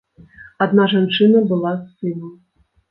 Адна жанчына была з сынам.